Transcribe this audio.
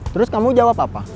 terus kamu jawab apa